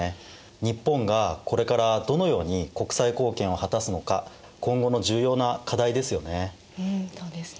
日本がこれからどのように国際貢献を果たすのか今後の重要な課題ですよね。